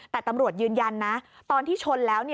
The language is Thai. แต่ตำรวจยืนยันนะตอนที่ชนแล้ว